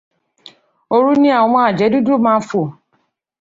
Òru ni àwọn àjẹ́ dúdú má fò.